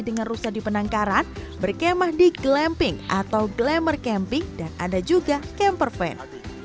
dengan rusa di penangkaran berkemah di glamping atau glamour camping dan ada juga camper van